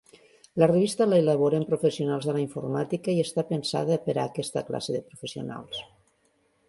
La revista la elaboren professionals de la informàtica i està pensada per a aquesta classe de professionals.